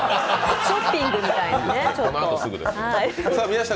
ショッピングみたいなね。